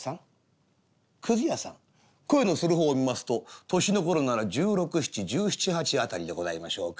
声のする方を見ますと年の頃なら１６１７１８辺りでございましょうか。